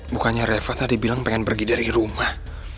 bukannya reva tadi bilang pengen pergi dari rumah